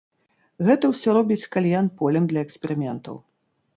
Гэта ўсё робіць кальян полем для эксперыментаў.